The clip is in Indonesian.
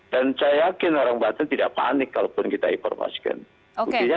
dan saya yakin orang banten tidak panik kalaupun kita informasikan